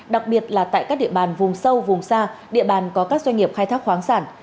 đặc biệt là tại các địa bàn vùng sâu vùng xa địa bàn có các doanh nghiệp khai thác khoáng sản